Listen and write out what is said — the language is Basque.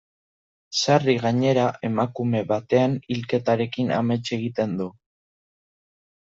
Sarri, gainera, emakume baten hilketarekin amets egiten du.